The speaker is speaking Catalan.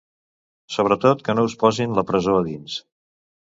Sobretot, que no us posin la presó a dins.